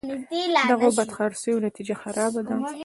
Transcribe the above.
د دغو بدخرڅیو نتیجه خرابه وه.